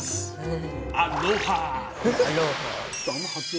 アロハ！